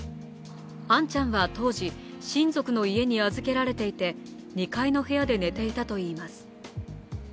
杏ちゃんは当時親族の家に預けられていて２階の部屋で寝ていたといいます。